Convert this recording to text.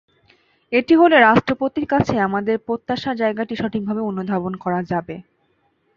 এটি হলে রাষ্ট্রপতির কাছে আমাদের প্রত্যাশার জায়গাটি সঠিকভাবে অনুধাবন করা যাবে।